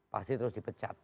pasti terus dipecat